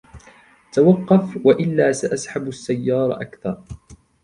توقف وإلا سأسحب السيارة اكثر.